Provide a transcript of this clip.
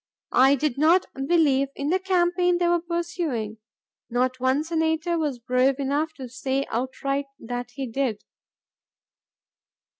.. I did not believe in the campaign they were pursuing (not one senator was brave enough to say outright that he did).